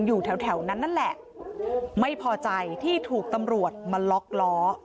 อยู่แถวแถวนั้นนั่นแหละไม่พอใจที่ถูกตำรวจมาล็อกล้อ